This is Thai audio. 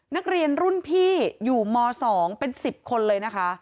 นักเรียนรุ่นพี่อยู่ม๒เป็น๑๐คนเลยนะคะ